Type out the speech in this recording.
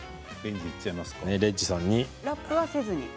ラップをせずに？